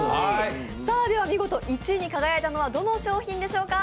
見事１位に輝いたのはどの商品でしょうか。